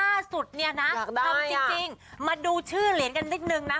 ล่าสุดเนี่ยนะทำจริงมาดูชื่อเหรียญกันนิดนึงนะ